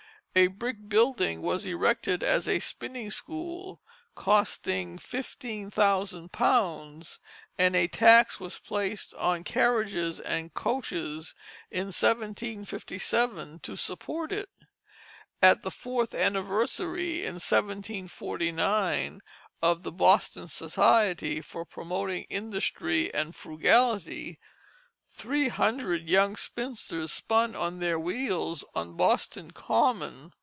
A brick building was erected as a spinning school costing £15,000, and a tax was placed on carriages and coaches in 1757 to support it. At the fourth anniversary in 1749 of the "Boston Society for promoting Industry and Frugality," three hundred "young spinsters" spun on their wheels on Boston Common.